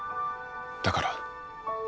だから。